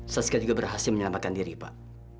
saska juga berhasil menyelamatkan diri pak